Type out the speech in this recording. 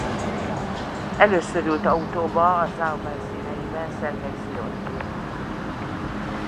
Először ült autóba a Sauber színeiben Szergej Szirotkin.